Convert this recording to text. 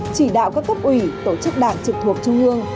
chỉ đạo các cấp ủy tổ chức đảng trực thuộc trung ương